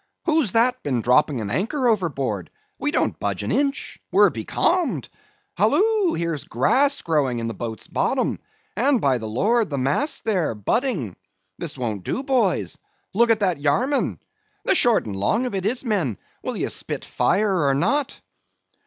Who's that been dropping an anchor overboard—we don't budge an inch—we're becalmed. Halloo, here's grass growing in the boat's bottom—and by the Lord, the mast there's budding. This won't do, boys. Look at that Yarman! The short and long of it is, men, will ye spit fire or not?"